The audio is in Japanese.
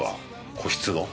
個室の。